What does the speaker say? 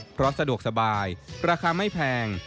สะดวกสบายราคาไม่แพง